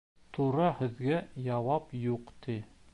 Тура һүҙгә яуап юҡ ти.